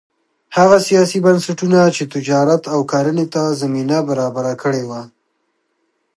هغه سیاسي بنسټونه چې تجارت او کرنې ته زمینه برابره کړې وه